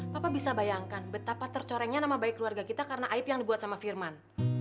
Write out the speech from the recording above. bapak bisa bayangkan betapa tercorengnya nama baik keluarga kita karena aib yang dibuat sama firman